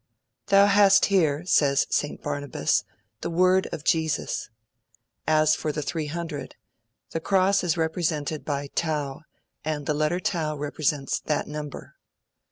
'Thou hast here,' says St. Barnabas, 'the word of Jesus.' As for the 300, 'the Cross is represented by Tau, and the letter Tau represents that number'.